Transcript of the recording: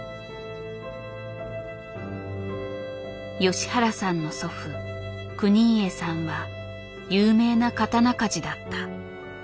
吉原さんの祖父・國家さんは有名な刀鍛冶だった。